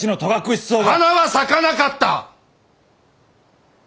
花は咲かなかった！